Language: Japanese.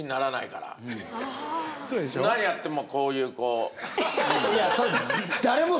何やってもこういう子。